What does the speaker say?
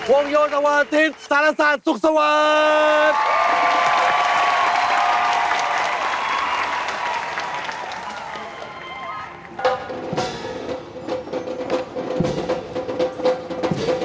โยนอวาทิศสารศาสตร์สุขสวัสดิ์